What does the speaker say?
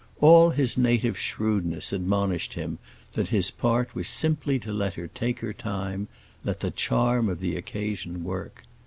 All his native shrewdness admonished him that his part was simply to let her take her time—let the charm of the occasion work.